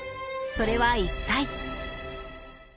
それは一体？